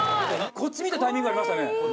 こっち見たタイミングありましたね。